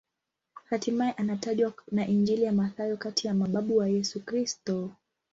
Hatimaye anatajwa na Injili ya Mathayo kati ya mababu wa Yesu Kristo.